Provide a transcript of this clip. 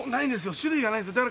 種類がないんです。